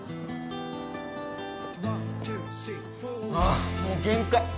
あもう限界！